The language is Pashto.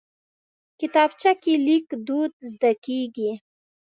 کتابچه کې لیک دود زده کېږي